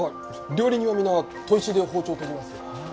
料理人は皆砥石で包丁を研ぎますよ。